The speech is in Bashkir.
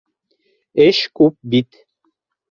Эш күп бит.